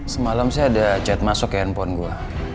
semalam saya ada chat masuk ke handphone gue